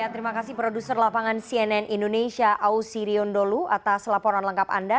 terima kasih produser lapangan cnn indonesia ausi riondolu atas laporan lengkap anda